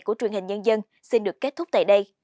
của truyền hình nhân dân xin được kết thúc tại đây